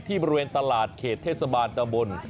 บริเวณตลาดเขตเทศบาลตะบน